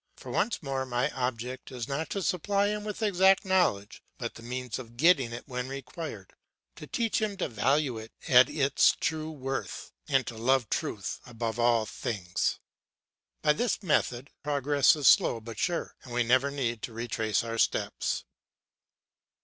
For once more my object is not to supply him with exact knowledge, but the means of getting it when required, to teach him to value it at its true worth, and to love truth above all things. By this method progress is slow but sure, and we never need to retrace our steps.